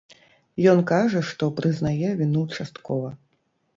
Ён кажа, што прызнае віну часткова.